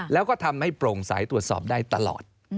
แล้วก็ทำให้โปร่งใสตรวจสอบได้ตลอด